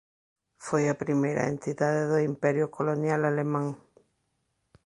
Foi a primeira entidade do Imperio colonial alemán.